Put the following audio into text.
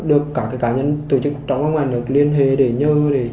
được các cá nhân tổ chức trong các ngoài nước liên hệ để nhớ